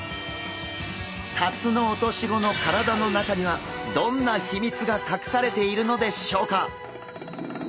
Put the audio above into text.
タツノオトシゴの体の中にはどんな秘密がかくされているのでしょうか？